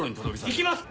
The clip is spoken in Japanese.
行きます！